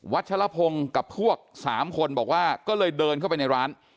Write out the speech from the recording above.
ชะลพงศ์กับพวกสามคนบอกว่าก็เลยเดินเข้าไปในร้าน